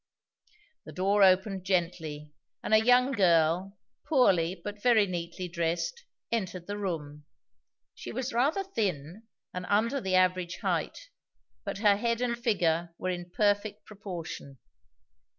The door opened gently, and a young girl, poorly but very neatly dressed, entered the room. She was rather thin and under the average height; but her head and figure were in perfect proportion.